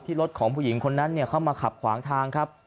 รถของผู้หญิงคนนั้นเข้ามาขับขวางทางครับ